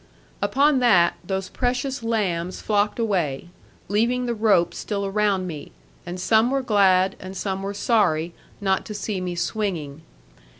Upon that, those precious lambs flocked away, leaving the rope still around me; and some were glad, and some were sorry, not to see me swinging.